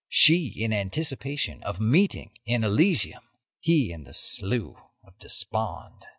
She in anticipation of a meeting in Elysium; he in the Slough of Despond."